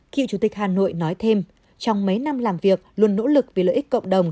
cựu chủ tịch hà nội nói thêm trong mấy năm làm việc luôn nỗ lực vì lợi ích cộng đồng